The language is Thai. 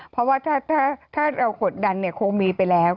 เพราะว่าถ้าเรากดดันคงมีไปแล้ว